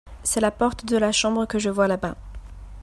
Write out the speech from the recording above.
c'est la porte de la chambre que je vois là-bas.